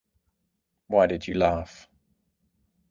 Why did you laugh?